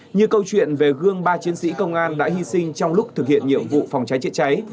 như câu chuyện về gương ba chiến sĩ công an đã hy sinh trong lúc thực hiện nhiệm vụ phòng cháy chữa cháy